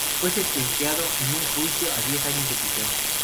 Fue sentenciado en un juicio a diez años de prisión.